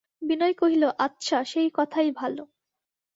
বিনয় কহিল, আচ্ছা, সেই কথাই ভালো।